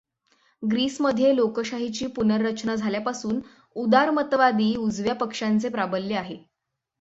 ग्रीसमध्ये लोकशाहीची पुनरर्चना झाल्यापासून उदारमतवादी उजव्या पक्षांचे प्राबल्य आहे.